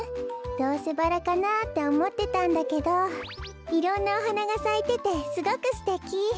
どうせバラかなっておもってたんだけどいろんなおはながさいててすごくすてき！